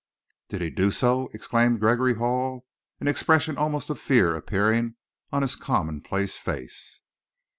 "Did he do so?" exclaimed Gregory Hall, an expression almost of fear appearing on his commonplace face.